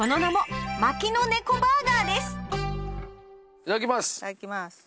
いただきます。